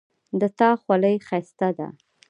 د تا خولی ښایسته ده